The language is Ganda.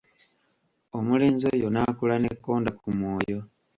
Omulenzi oyo n'akula n'ekkonda ku mwoyo.